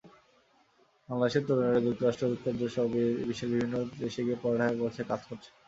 বাংলাদেশের তরুণেরা যুক্তরাষ্ট্র, যুক্তরাজ্যসহ বিশ্বের বিভিন্ন দেশে গিয়ে পড়ালেখা করেছে, কাজ করছে।